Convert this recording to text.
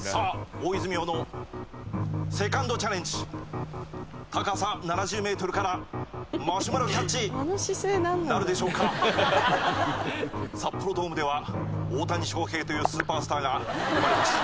ここで見事さあ高さ７０ｍからマシュマロキャッチなるでしょうか札幌ドームでは大谷翔平というスーパースターが生まれました